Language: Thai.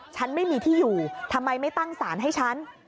ฉันไม่มีที่อยู่ทำไมไม่ตั้งสารให้ฉัน